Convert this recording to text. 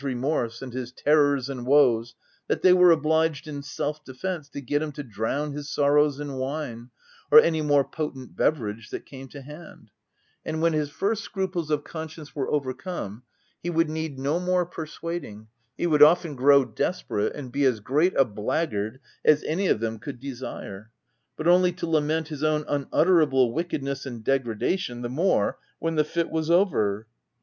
I£T D 50 THE TENANT remorse, and his terrors and woes, that they were obliged, in self defence, to get him to drown his sorrows in wine, or any more potent beverage that came to hand ; and when his first scruples of conscience were overcome, he would need no more persuading, he would often grow desperate, and be as great a blackguard as any of them could desire — but only to lament his own unutterable wickedness and degradation the more when the fit was over.